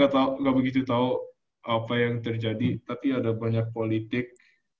jadi saya ga begitu tau apa yang terjadi tapi ada banyak politik